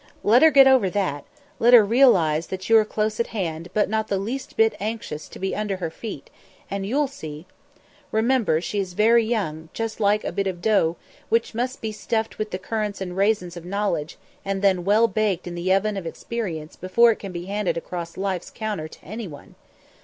Let her get over that, let her realise that you are close at hand, but not the least bit anxious to be under her feet, and you'll see. Remember, she is very young, just like a bit of dough which must be stuffed with the currants and raisins of knowledge and then well baked in the oven of experience before it can be handed across Life's counter to anyone.